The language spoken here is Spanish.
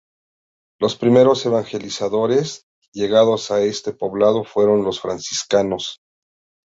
Los primeros evangelizadores llegados a este poblado fueron los franciscanos.